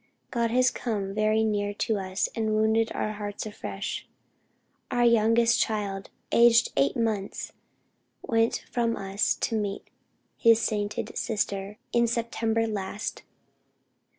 "God has come very near to us and wounded our hearts afresh. Our youngest child, aged 8 months, went from us to meet his sainted sister, in September last.